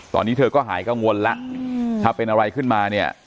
ตอนนี้เธอก็หายกังวลแล้วถ้าเป็นอะไรขึ้นมาเนี่ย